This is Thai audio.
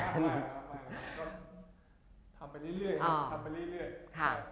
ทำไปเรื่อย